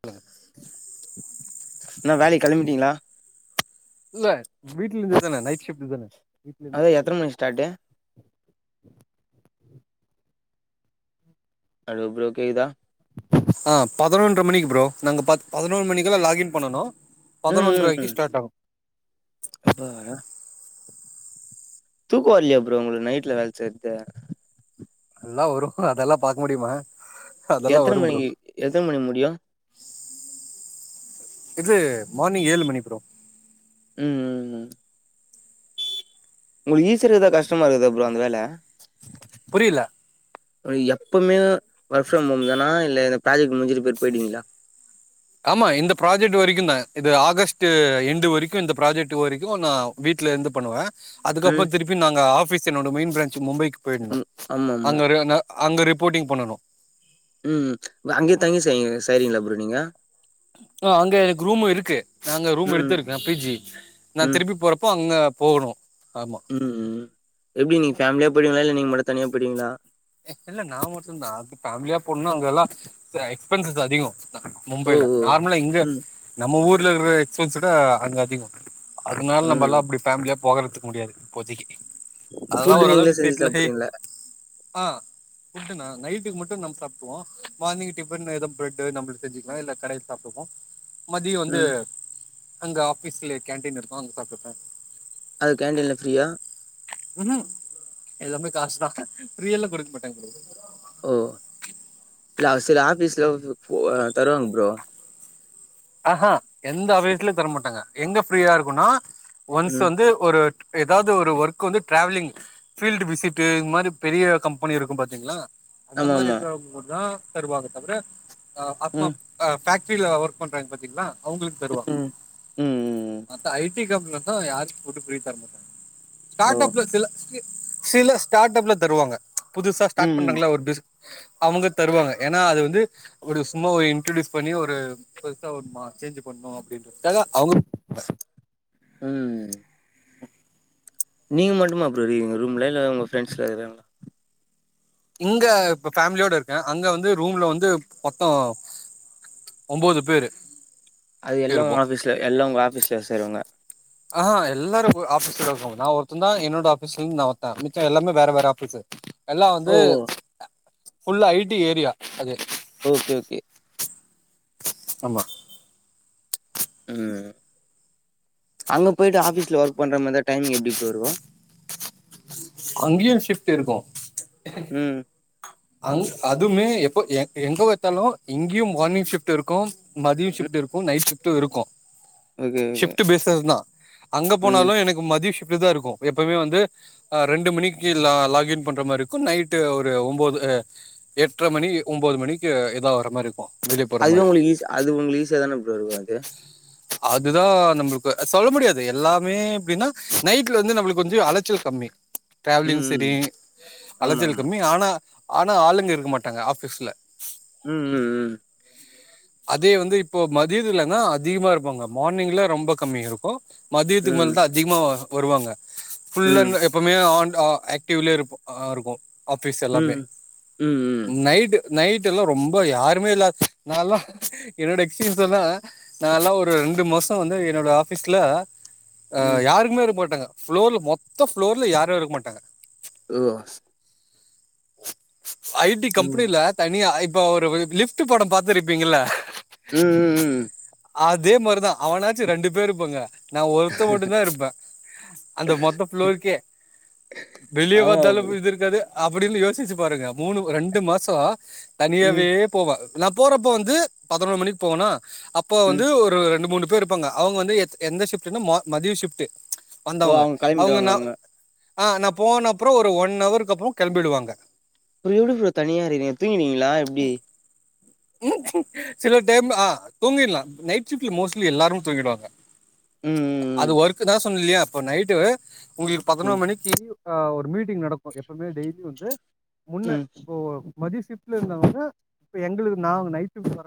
க்ளுக் என்ன வேலைக் கெளம்பிட்டீங்ளா இல்ல வீட்ல இருந்து தான நைட்ஷிஃப்ட் தான வீட்ல இருந்து அது எத்த மணிக் ஸ்டாட்டு ஹலோ ப்ரோ கேக்குதா ஆ பதினொன்ற மணிக்கு ப்ரோ நாங்க பத் பதினொரு மணிக்குல்லா லாஹின் பண்ணுனோ ம் ம் ம் அப்பாடா தூக்கோ வர்லயா ப்ரோ உங்ளுக் நைட்ல வேல செய்றது எல்லா வரு அதெல்லா பாக்க முடிமா எத்தன மணிக்கு எத்தன மணி முடியு இது மார்னிங் ஏழு மணி ப்ரோ ம் ம் ம் உங்ளுக் ஈசியா இருக்தா கஷ்டமா இருக்குதுதா ப்ரோ அந்த வேல புரியல அ எப்பமே ஒர்க் ஃப்ரம் ஹோம் தானா இல்ல இந்த ப்ராஜெக்ட் முடிஞ்சுட்டு பேர் போய்டீங்ளா ஆமா இந்த ப்ராஜெக்ட் வரைக்குந்தா இது ஆகஸ்டு எண்ட் வரைக்கு இந்த ப்ராஜெக்ட் வரைக்கு நா வீட்ல இர்ந்து பண்ணுவே அதுக்கப்றோ ம் திருப்பி நாங்க ஆஃபிஸ் என்னோட மெயின் ப்ராஞ்சு மும்பைக்கு போயிட்ணு ம் ஆமா ஆமா அங்க இருகாங்க அங்க ரிப்போட்டிங் பண்ணணு ம்ம் வ அங்கேயே தங்கி செய் செய்ரிங்களா ப்ரோ நீங்க ஆ அங்க எனக்கு ரூம் இருக்கு அங்க ரூம் ம் எடுத்து இருக்கே பி ஜி நா ம் திருப்பி போறப்போ அங்க போகணு ஆமா ம்ம் எப்டி நீங்க ஃபேமிலியா போய்டிவீங்ளா இல்ல நீங்க மட்டு தனியா போய்டிவீங்ளா இல்ல நா மட்டுந்தா பேமிலியா போன்னா அங்கல்லா ச எக்ஸ்பென்சஸ் அதிகோ ஓ மும்பைல ஓ நார்மலா இங்க ம் நம்ம ஊர்ல இருக்குற எக்ஸ்பென்சிவ் விட அங்க அதிகோ அதுனால ம் நம்பல்லா அப்டி ஃபேமிலியா போகுறத்துகு முடியாது இப்போதைக்கு அதுல்லா ஃபுட்டு நீங்களே ஓரளவுக்கு செஞ்சு செட்டில் ஆயி சாப்ட்ருவீங்களா ஆ ஃபுட்டு நா நைட்டுக்கு மட்டு நம் சாப்டுவோ மார்னிங் டிஃபன் எதோ பிரட்டு நம்ளு செஞ்சிக்லா இல்ல கடைல சாப்டுவோ மதியோ வந்து ம் அங்க ஆஃபீஸ்லே கேன்டீன் இருக்கு அங்க சாப்ட்டுப்பே அது கேண்டீன்ல ஃப்ரீயா ம்ஹூ எல்லாமே காசு தா ஃப்ரி எல்லா குடுக்க மாட்டாங்க ப்ரோ ஓ இல்ல சில ஆஃபீஸ்கள் கு அ தருவாங்க ப்ரோ ஆஹா எந்த அவேட்லைு தரமாட்டாங்க எங்க ஃப்ரீயா இருக்குனா ஒன்ஸ் ம் வந்து ஒரு ஏதாவ்து ஒரு ஒர்க் வந்து ட்ராவலிங் ஃபீல்டு விசிட்டு இந்த மாரி பெரிய கம்பெனி இருக்கும் பாத்தீங்ளா அந்த ஆமா மாரி ஆமா இருக்றம் போதா தருவாங்க தவ்ர அ அத்மா ம் அ பேக்ட்ரியில ஒர்க் பண்றாங்க பாத்திங்ளா அவங்ளுக் தருவாங்க ம் ம் ம் மத்த ஐ ‌டி கம்பெனில இருந்து யாருக்கு ஃபுட் ஃப்ரீ தரமாட்டாங்க ஓ ஸ்டார்டப்ல சில ஸ்டி சில ஸ்டார்ட் அப்ல தருவாங்க புதுசா ம் ஸ்டார்ட் ம் பண்றாங்கள ஒரு பிஸ் அவுங்க தருவாங்க ஏன்னா அது வந்து அப்டி சும்மா ஒரு இன்ட்ரடியூஸ் பண்ணி ஒரு செத்தா வரணுமா சேஞ்சு பண்ணும் அப்டின்றதுக்காக அவுர் உம் நீங்க மட்டும்மா ப்ரோயிருக்கிங்க ரூம்ல இல்ல உங்க ஃப்ரெண்ட்ஸ்ல யாரும் இங்க இப்ப ஃபேமிலியோட இருக்கே அங்க வந்து ரூம்ல வந்து மொத்தோ ஒம்பது பேரு அது எல்லாம் இருப்போ உங்க ஆஃபீஸ்ல எல்லா உங்க ஆஃபீஸ்ல வேல செய்ரவங்க ஆ எல்லாரும் போ ஆபீஸ்ல இருக்கங்க ஆ ஆ ஆ எல்லாரும் ஆஃபீஸ்ல தா இருக்காங்க நான் ஒருத்தன் தான் என்னோட ஆபீஸ்ல இருந்து நான் ஒருத்தேன் மிச்சம் எல்லாமே வேற வேற ஆஃபீஸ்ஸூ எல்லாம் ஓ வந்து ஃபுல் ஐடி ஏரியா அது ஓகே ஓகே ஆமா உம் அங்க போயிட்டு ஆஃபீஸ்ல ஒர்க் பண்ற மாதிரி டைமிங் எப்டி ப்ரோ இருக்கும் அங்கேயும் ஷிப்ட் இருக்கும் உம் அங் அதுமே எப்போ எங் எங்க பாத்தாலும் இங்கேயும் மார்னிங் ஷிஃப்ட் இருக்கும் மதியோம் ம் ஷிப்ட் இருக்கும் நைட் ஷிப்டும் இருக்கும் ஓகே ஓகே சிப்ட்டு பேசஸ் தா அங்க ம் போனாலும் எனக்கு மதியம் சிப்ட்டு தா எப்பயும்வந்து அ ரெண்டு மணிக்கு லாகின் பண்ற மாரி இருக்கும் நைட்டு ஒரு ஒம் போது எட்ரை மணி ஒன்பது மணிக்கு இதா வர்ற மாரி இருக்கும் அதுவே உங்களுக்கு ஈசி அது உங்களுக்கு யூஸா தான ப்ரோ இருக்கூ அது அதுதா நம்மளுக்கு சொல்ல முடியாது எல்லாமே அப்டின்னாக் நைட்டுல வந்து நம்மளுக்கு கொஞ்சோம் அலச்சல் கம்மி [inaudible] ட்ராவலிங் சேரி ம் ஆமா அலச்சல் ஆமா கம்மி ஆனா ஆனா ஆளுங்க இருக்க மாட்டாங்க ஆஃபீஸ்ல உம் உம் அதே வந்து இப்போ மதியத்துல தா அதிகமா இருப்பாங்க மார்னிங்ல ரொம்ப கம்மியா இருக்கும் ம் மதியத்துக்கு ம் மேல் தா அதிகமா வருவாங்க ஃபுல்லா ம் இந்த எப்பயுமே ஆன் ஆகிவ்டிவா இருக்கும் ஆஃபீஸ் எல்லாமே ம் ம் ம் நைட்டு நைட்டுஎல்லாம் ரொம்ப யாருமே இல்லா நால்லா என்னோட எக்ஸ்பீரியன்ஸ் லா சொன்னா நா எல்லாம் ஒரு ரெண்டு மாசம் வந்து என்னோட ஆஃபீஸ்ல அ ம் யாருக்குமே இருக்க மாட்டாங்க ப்ளோர்லையும் மொத்த புப்ளோர்ல யாருமே இருக்க மாட்டாங்க ஓ ஐடி ம் கம்பெனில தனியா இப்ப ஒரு லிஃப்ட்டு படோம் பாத்துருப்பிங்களா உம் அதே மாரிதான் அவன்னாச்சும் ரெண்டு பேர் இருப்பாங்க நா ஒருத்த மட்டும் தா இருப்பே அந்த மொத்த ஃப்ளோருக்கே வெளிய ஆமா பாத்தாலும் ப்ரோ இது இருக்காது அப்டின்னு யோசிச்சு பாருங்க மூணு ரெண்டு மாசோம் ம் தனியாவே போவே நான் போறப்ப வந்து பதினொரு மணிக்கு போவேனா அப்போ ம் வந்து ஒரு ஒரு ரெண்டு மூணு பேர் இருப்பாங்க அவுங்க வந்து எந்த ஷிப்ட்னா மதிய ஷிப்ட்டு ஓ வந்தவாங்க அவங்க அவுங்க கெளம்பிடுவாங்க அவங்க நா போனப்றோ ஆ ஒரு ஒன் அவர் அப்றோ கெளம்பிடுவாங்க எப்படி ப்ரோ தனியா இருக்கீங்க தூங்குவிங்ளா எப்டி சில டைம் ஆ தூங்கிடலா நைட்ஷிப்டு மோஸ்ட்லி எல்லாரம் தூங்கிடுவாங்க அது ம் ஒர்க்கு தா சொன்னது இல்லையா அப்ப நைட்டு உங்களுக்கு ம் ம் பதினொரு மணிக்கு இப்ப ஒரு மீட்டிங் நடக்கும் எப்பயுமே டெய்லி வந்து முன்ன ம் இப்போ மதிய ஷிப்டு இருந்தாங்கன்னா இப்ப எங்களுக்கு நான் நைட்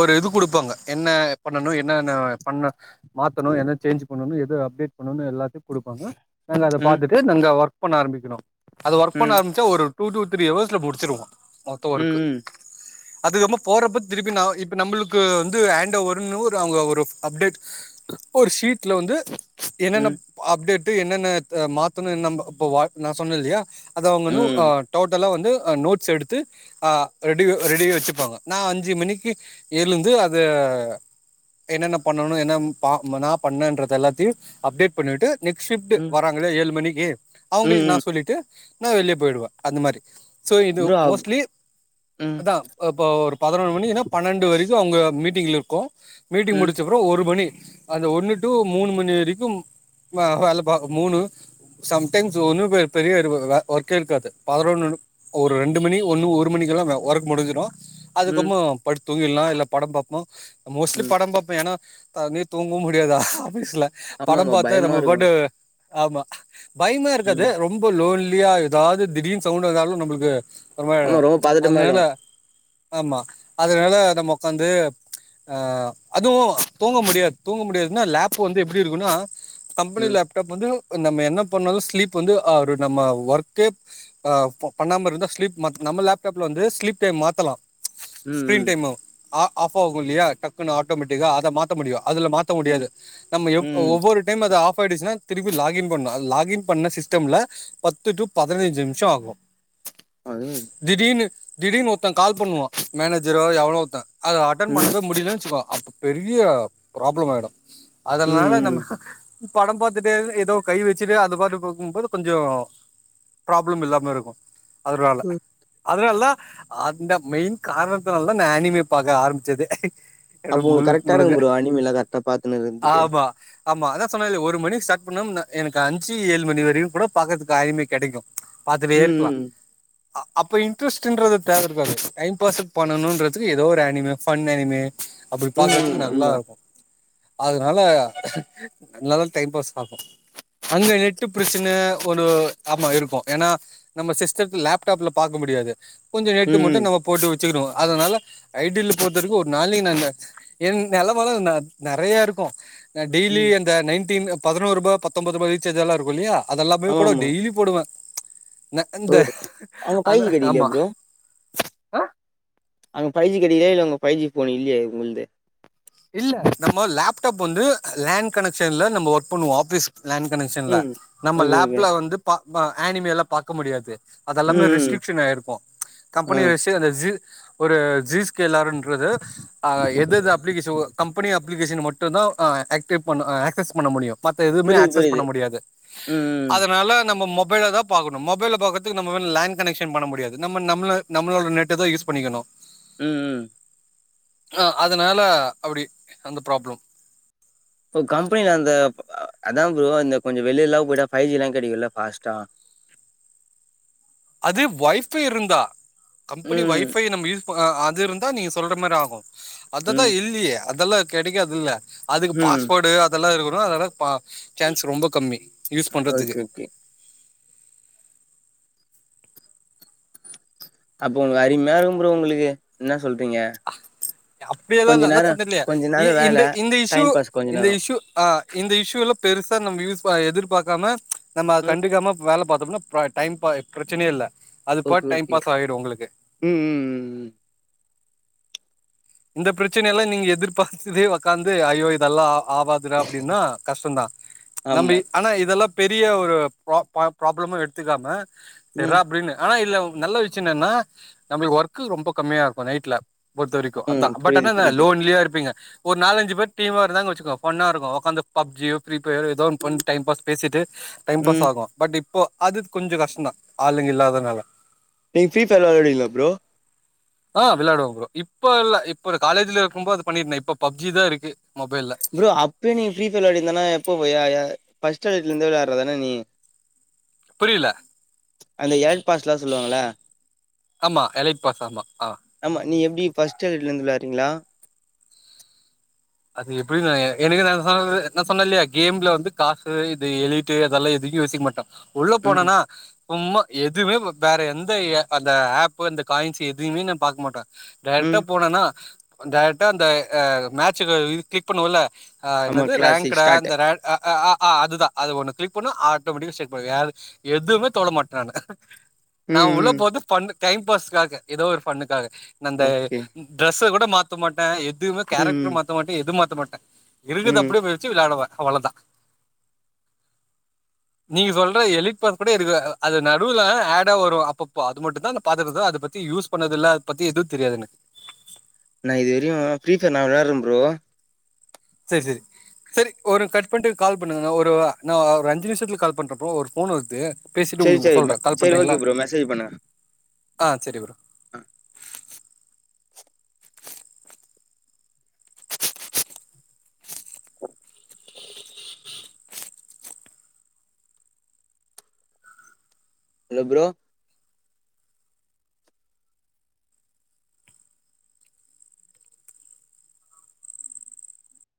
ஒரு இது கொடுப்பாங்க என்ன பண்ணணும் என்னன்ன பண்ண மாத்தணும் ஏதா சேஞ் பண்ணும் எது அப்டேட் பண்ணும் எல்லாத் கொடுப்பாங்க நாங்க அத பார்த்துட்டு நாங்க ஒர்க் பண்ண ஆரம்பிக்கனும் அது ஒர்க் ம் பண்ண ம் ஆரம்பிச்சா ஒரு டூ டூ த்ரீ ஹர்ஸல்ல முடிச்சிருவோம் மொத்த ஒர்க்கு ம் அதுக்க போறப்ப திருப்பி நா இப்ப நம்மளுக்கு வந்து ஹேண்ட் ஓவருன்னு அவங்க ஒரு அப்டேட் ஒரு ஷீட்டல வந்து என்னென்ன ம் அப்டேட்டு என்னனென்ன அப்டேட் என்னென்ன மாத்தன்னு இப்ப நா சொன்ன இல்லையா அத அவங்க வந்து ம் ம் டோட்டலா வந்து நோட்ஸ் எடுத்து ரெடி ரெடி வச்சுப்பாங்க நா அஞ்சு மணிக்கு எழுந்து அத என்னென்ன பண்ணனும் என்னென்ன பார்க்கணும் நா பண்ண எல்லாத்தையும் அப்டேட் பண்ணிட்டு நெக்ஸ்ட் ஷிப்ட் ம் வராங்களா ஏழு மணிக்கு அவங்களுக்கு நா ம் சொல்லிட்டு நா வெளியே போயிடுவே அந்த மாதிரி சோ இது ப்ரோ மோஸ்ட்லி ம் அதா இப்ப ஒரு பதினொரு மணி பன்னெண்டு வரைக்கும் அவங்க மீட்டிங் இருக்கும் மீட்டிங் ம் முடிச்சு அப்புறம் ஒரு மணி அந்த ஒன்னும் டு மூணு மணி வரைக்கும் வேல பாக்கனும் மூணு சம்டைம்ஸ் ஒன்னும் பெரிய ஒர்க்கே இருக்காது பதினொனு ஒரு ரெண்டு மணி ஒண்ணு ஒரு மணிக்கு எல்லாம் ஒர்க்கு முடிஞ்சிடும் ம் அதுக்கப்புறம் படுத்து தூங்கிடலா இல்ல படம் பாப்போம் மோஸ்ட்லி ம் படம் பார்ப்பே ஏன்னா தூங்கவும் முடியாதா ஆபீஸ்ல படம் ஆமாமா பார்த்தா பயமா நம்ம இருக்கு போட்டு ஆமா பயமா இருக்காது ம் ரொம்ப லோன்லியா ஏதாவது திடீரினு சவுண்ட் இருந்தாலு நம்மளுக்கு ஆமா அப்புறம் ரொம்ப பதட்டமாயிடு அதனால ஆமா அதனால நம்ம உட்காந்து ஆ அதுவும் தூங்க முடியாது தூங்க முடியாதுன்னா லேப் வந்து எப்படி இருக்குன்னா கம்பெனி ம் லேப்டாப் வந்து நம்ம என்ன பண்ணாலும் ஸ்லீப் வந்து ஒரு நம்ம ஒர்க்கே ஆ பண்ணாமா இருந்தா ஸ்லீப் நம்ம லேப்டாப்ல வந்து ஸ்லீப் டைம் மாத்தலா ஸ்கிரீன் டை ம் ஆஃப் ஆகும் இல்லையா டக்குன்னு ஆட்டோமேட்டிக்கா அத மாத்த முடியும் அதுல மாத்த ம் ம் முடியாது நம்ம ம் ஒவ்வொரு டைம் அது ஆஃப் ஆயிடுச்சன்னா திரும்பி லாகி இன் பண்ண லாக் இன் பண்ண சிஸ்டம்ல பத்து டு பதினஞ்சு நிமிஷம் ஆகும் அது திடீர்னு திடீனு ஒருத்தன் கால் பண்ணுவா மேனேஜரோ எவனோ ஒருத்த அத அட்டன் ம் பண்ண முடியலன்னுச்சுக்கோ அப்ப பெரிய ப்ராப்ளம் ஆயிடும் அதனால ம் நம்ம படம் பாத்துட்டு ஏதோ கை வச்சுட்டு அது பாட்டு போகும்போது கொஞ்சம் ப்ராப்ளம் இல்லாம இருக்கும் அதனால ம் அதனால தா அந்த மெயின் காரணத்தினால தா நா ஆனிம பாக்க ஆரம்பிச்சது அப்போ இடம் உங்களுக்கு முழு கரெக்டா இருக்கு முழுக ப்ரோ அனிமிலா கரெக்டா பாத்துன்னு இருக்கறதுக்கு ஆமா ஆமா அதா சொன்னாலே ஒரு மணிக்கு ஸ்டார்ட் பண்ண எனக்கு அஞ்சு ஏழு மணி வரைக்கும் கூட பக்கறதுக்கு அய் மே கிடைக்கும் பாத்துடே இருக்கலாம் ம் அப்ப இன்ட்ரெஸ்ட்ன்றது தேவ இருக்காது பிரசன்ட் பண்ணணும்ன்றதுக்கு ஏதோ ஒரு அனிமே ஃபண் அனிமே அப்படி ம் ம் பாக்கறதுக்கு நல்லா ஆமா இருக்கும் அதனால நல்ல டைம் பாஸ் ஆகு அங்க நெட்டு பிரச்சன ஒரு ஆமா இருக்கும் ஏன்னா நம்ம சிஸ்டம்துலா லேப்டாப்ல பாக்க முடியாது கொஞ்ச நெட் மட்டும் ம் நம்ம போட்டு வச்சுக்கிறோ அதனால ஐடியல் பொறுத்த வரைக்கும் ஒரு நாளைக்கு நானு என் நிலம லா நிறைய இருக்கும் டெயலி ம். அந்த நைன்டன் பதினோருபா பத்தொன்து ரூபா ரீ சார்ஜ் எல்லா இருக்கும் இல்லையா அதெல்லாமயே கூட ஆமாமா. டெய்லி போடுவ ஓ! இந்த அங்க அந்த கிடைக்கலையா ஆமா ப்ரோ? ஆ அங்க ஃபைவ ஜி கடைக்கிதா இல்ல உங்க ஃபைவ ஜி ஃபோன் இல்லைய உங்கள்து இல்ல நம்ம லேப்டாப் வந்து லேண்ட் கனெக்ஷன்ல நம்ம ஒர்க் பண்ணுவோ ஆஃபீஸ் லேண்ட் கனெக்ஷன்ல ம். நம்ம ஓகே, ஓகே. லேப்ல வந்து பா பா ஆனிமெல்லா பாக்க முடியாது அதெல்லாமே ம். ம். ரெஸ்ட்ரிக்ஷன் ஆயிருக்கு ஆ. கம்பெனி ரெஸ்ட்யே அந்த ஜி ஒரு ஜிஸ்கேல்ல ண்றது ஆ எதேது ஸோ கம்பெனி அப்ளிகேஷன் மட்டுதா அ ஆக்டிவ் பண்ண ஆக்சஸ் பண்ண முடியு மத்த எதுமே புரியுது, ஆக்சஸ் புரியுது. பண்ண முடியாது ம், ம். அதனால நம்ம மொபைல தா பாக்கணு மொபைல பாக்குறத்துக்கு நம்ம லைன் கலெக்ஷன் பண்ண முடியாது நம்ம நம்ள நம்மளோட நெட்டுதா யூஸ் பண்ணிக்கணு ம் ம் அ அதனால அப்பிடி அந்த ப்ராப்ளம் இப்ப கம்பெனில அந்த அதா பரோ இந்த கொஞ்சோ வெளியெல்லா போயிட்டா ஃபைவ் ஜில்லா கெடைக்குல்ல ஃபாஸ்டா அது ஒய்ஃபைவ் இருந்தா கம்பெனி ம். ஒய்ஃபை நம்ம யூஸ் இப்போ அது இருந்தா நீங்க சொல்ற மாரி ஆகு அததா ம். இல்லையே அதெல்லா கெடைக்காதுல்ல அதுக்கு ம். பாஸ்போர்டு அதெல்லா இருக்கணு அதெல்லா ப சான்ஸ் ரொம்ப கம்மி யூஸ் பண்றதுக்கு ஓகே, ஓகே. அப்ப உங்களுக்கு அரிம இருக்கும் ப்ரோ உங்களுக்கு என்ன சொல்றீங்க கொஞ்ச அப்பிடியல்லா அதா நேரம் சொன்னேல்லே கொஞ்ச இ நேரம் வேல. இந்த இந்த இஸ்யூ டைம் பாஸ் கொஞ்ச இந்த நேரம். இஸ்யூ ஆ இந்த இஷ்யூல பெருசா நம்ம யூஸ் எதிர்பாக்காம நம்ம ம். கண்டுக்காம வேல பாத்தோம்னா [unintelligible] டைம் பா பிரச்சனையே இல்ல அது பா ஓகே, டைம் ஓகே. பாஸாடு உங்களுக்கு ம் ம் ம் ம் இந்த பிரச்சனையெல்லா நீங்க எதிர்பாத்ததே உக்காந்து ஐயோ இதெல்லா ஆ ஆவா துடா அப்படின்னா கஷ்டோ தா நம்பி ஆமா. ஆனா இதெல்லா பெரிய ஒரு பா பா ப்ராப்ளமும் எடுத்துக்காம ம். செர்டா அப்டின்னு ஆனா இதுல்ல நல்ல விஷ்யோ என்னன்னா நம்மளுக்கு ஒர்க் ரொம்ப கம்மியாருக்கு நைட்ல பொறுத்தவரைக்கு க்கு ம். அதா பட் புரியுது, அனா என்ன புரியுது. லோன்லியாருப்பிங்க ஒரு நாலஞ்சு பேர் டீம்மா இருந்தாங்க வச்சுக்கோ ஒண்ணாருக்கு ஒக்காந்து பப்ஜியோ ஃப்ரீ ஃபயரோ ஏதோ ஒன்னு பண் டைம் பாஸ் பேசிட்டு டைம் ம். பாஸ்சாகு பட் இப்போ அது கொஞ்சோ கஷ்டோ தா ஆளுங்க இல்லாதனால நீங்க ஃப்ரீ ஃபயர்லா வெள்ளாடுவிங்ளா ப்ரோ ஆ வெள்ளாடுவே ப்ரோ இப்போ இல்ல இப்ப காலேஜ்ல இருக்குபோ அது பண்ணிடிருந்தே இப்ப பப்ஜிதா இருக்கு மொபைல்ல ப்ரோ அப்பயே நீ ஃப்ரீ ஃபயர் வெளையாடிந்தேனா எப்போ போ யா யா ஃபஸ்ட்டு எலட்லருந்து வெளயாடுறதன நீ புரியல அந்த எலைக்ட் பாஸ்லா சொல்லுவாங்களா ஆமா எலைக்ட பாஸ் ஆமா ஆ ஆமா நீ எப்டி ஃபஸ்ட் எலேக்ட்லருந்து விளாட்றீங்ளா அது எப்டி நா எ எனக்கு நா சொன்ன நா சொன்னல்லையா கேம்ல வந்து காசு இது எலிட் டு அதெல்லா எதையு யோசிக்க மாட்டே உள்ள ம் போனனா சும்மா எதுவுமே வேற எந்த அந்த ஆப்பு அந்த காயின்ஸ் எதுவுமே நா பாக்க மாட்டே டேரெக்டா ம் போனேனா டைரெக்டா அந்த அ அ மேட்சுல இத் கிளிக் பண்ணுவோல ஆ ஆமா என்னது கிளாசிக் ரெங்குடா ஸ்டார்ட் இந்த ரெ அ அ அ அ அதுதா அது ஒண்ணு கிளிக் பண்ணா ஆட்டோமேட்டிக்கா செட் பண்ண ஆனு எதுவுமே தொட மாட்டே நானு நா ம் உள்ள ம் போரது ஃபன்னு டைம் பாஸ்க்காக ஏதோ ஒரு ஃபண்ணுக்காக நா இந்த ஓகே ட்ரெஸ்ஸ கூட மாத்த மாட்டே எதுவுமே ம் கேரக்டர் ம் மாத்த மாட்டே எதுவு மாத்த மாட்டே இருக்கது ம் அப்டியே பே ச்சு வெளாடுவே அவ்ளோதா நீங்க சொல்ற எலிட் பாஸ் கூட எடுக்குல அது நடுவுல ஆடா வரு அப்பப்போ அது மட்டு தா அந்த பாத்தறது அத பாத் தி யூஸ் பண்ணதுல்ல அத பத்தி எது தெரியாது எனக்கு நா இது வரையு ஃப்ரீ ஃபயர் நா விளார்ரே ப்ரோ சேர் சேரி சரி ஒரு கட் பண்ட்டு கால் பண்ணுங்க நா ஒருவ நா ஒரு அஞ்சு நிமிஷத்துல கால் பண்றே ப்ரோ ஒரு போன் வர்து பேசிட்டு சரி உங்ளுக் சரி சொல்றே கால் சரி பண்ணறீங்களா ஓகே ப்ரோ மெசேஜ் பண்ணுங்க ஆ செரி ப்ரோ ஆ, ன்ன ப்ரோ